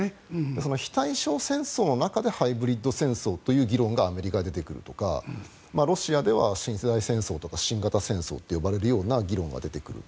非対称戦争の中でハイブリッド戦争という議論がアメリカで出てくるとかロシアでは新世代戦争とか新型戦争と呼ばれるような議論が出てくる。